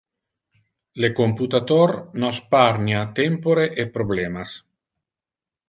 Le computator nos sparnia tempore e problemas.